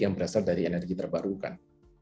yang berasal dari energi terbarukan